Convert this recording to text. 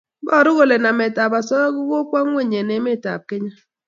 paru kole namet ab asoya ko kokwo ngweny eng emet ab kenya